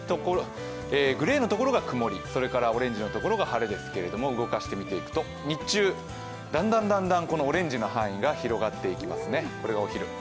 グレーのところが曇り、それからオレンジのところが晴れですけど、動かして見ていくと、日中、だんだんオレンジの範囲が広がっていきますね、これがお昼。